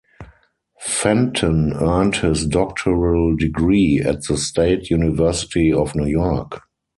Fenton earned his doctoral degree at the State University of New York.